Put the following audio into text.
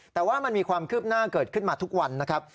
แต่ว่ามันมีความคืบหน้าเกิดขึ้นมาทุกวันนะครับ